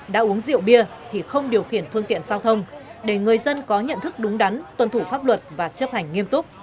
đã uống rượu bia thì không điều khiển phương tiện giao thông để người dân có nhận thức đúng đắn tuân thủ pháp luật và chấp hành nghiêm túc